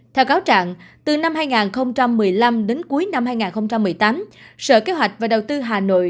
theo cáo trạng từ năm hai nghìn một mươi năm đến cuối năm hai nghìn một mươi tám sở kế hoạch và đầu tư hà nội